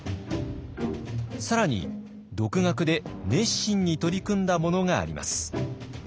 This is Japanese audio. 更に独学で熱心に取り組んだものがあります。